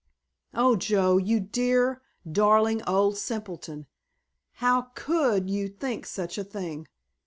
Oh, Joe, you dear, darling old simpleton, how could you think such a thing?